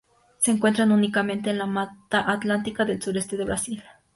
Se encuentra únicamente en la mata atlántica del sureste de Brasil.